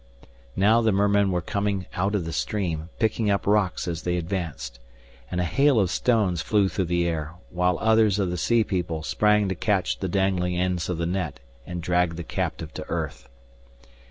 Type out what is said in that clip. Now the mermen were coming out of the stream, picking up rocks as they advanced. And a hail of stones flew through the air, while others of the sea people sprang to catch the dangling ends of the net and drag the captive to earth.